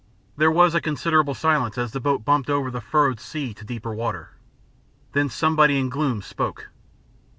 There was a considerable silence as the boat bumped over the furrowed sea to deeper water. Then somebody in gloom spoke.